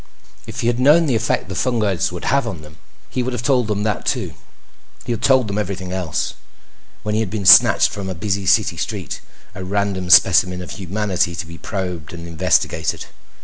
If he had known the effect the fungoids would have on them, he would have told them that too. He had told them everything else, when he had been snatched from a busy city street, a random specimen of humanity to be probed and investigated.